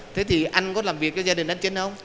thế thì anh có làm việc cho gia đình anh trinh không